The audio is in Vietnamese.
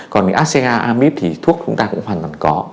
còn ổ áp xe gan amip thì thuốc chúng ta cũng hoàn toàn có